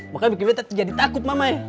makanya bikin beta jadi takut mamae